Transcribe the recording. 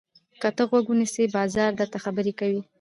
که ته غوږ ونیسې، بازار درته خبرې کوي.